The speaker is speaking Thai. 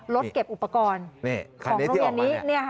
รถเก็บอุปกรณ์ของโรงเรียนนี้